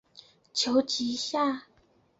求其下